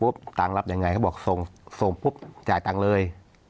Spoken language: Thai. ตังค์รับยังไงเขาบอกส่งส่งปุ๊บจ่ายตังค์เลย